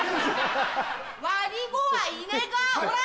「悪ぃ子はいねえが」ほら！